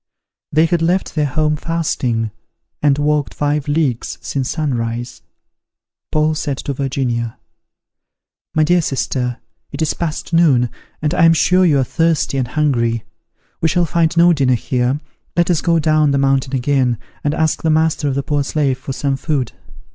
They had left their home fasting, and walked five leagues since sunrise. Paul said to Virginia, "My dear sister, it is past noon, and I am sure you are thirsty and hungry: we shall find no dinner here; let us go down the mountain again, and ask the master of the poor slave for some food."